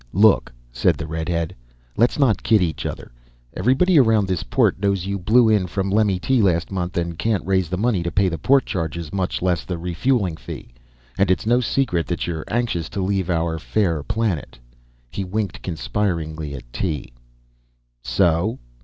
"Look," said the redhead. "Let's not kid each other. Everybody around this port knows you blew in from Lemmyt last month and can't raise the money to pay the port charges, much less the refueling fee. And it's no secret that you're anxious to leave our fair planet." He winked conspiringly at Tee. "So?"